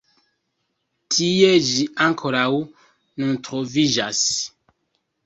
Tie ĝi ankoraŭ nun troviĝas.